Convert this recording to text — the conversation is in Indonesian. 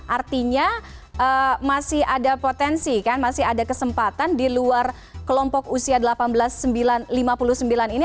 artinya masih ada potensi kan masih ada kesempatan di luar kelompok usia lima puluh sembilan ini